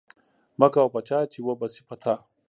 مکوه په چا، چي و به سي په تا